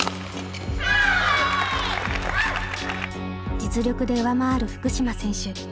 実力で上回る福島選手。